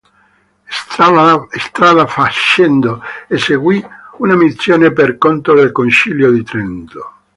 Strada facendo, eseguì una missione per conto del Concilio di Trento.